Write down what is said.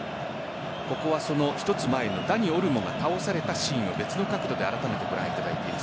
ここは一つ前のダニ・オルモが倒されたシ−ンを別の角度でご覧いただいています。